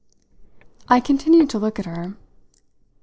I continued to look at her.